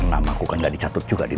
saya akan beritahu pak haris